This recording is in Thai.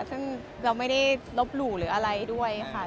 ซึ่งเราไม่ได้ลบหลู่หรืออะไรด้วยค่ะ